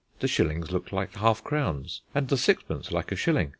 The shillings looked like half crowns and the sixpence like a shilling.